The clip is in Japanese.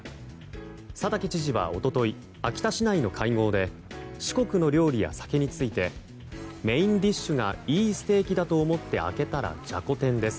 佐竹知事は一昨日秋田市内の会合で四国の料理や酒についてメインディッシュがいいステーキだと思って開けたらじゃこ天です。